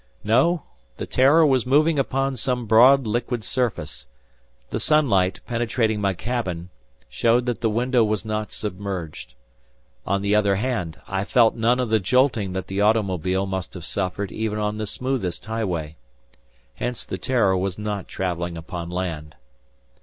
No, the "Terror" was moving upon some broad liquid surface. The sunlight, penetrating my cabin, showed that the window was not submerged. On the other hand, I felt none of the jolting that the automobile must have suffered even on the smoothest highway. Hence the "Terror" was not traveling upon land.